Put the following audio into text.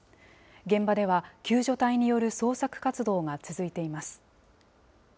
現場では救助隊による捜索活動が続いています。